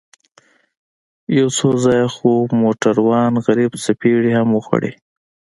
يو څو ځايه خو موټروان غريب څپېړې هم وخوړې.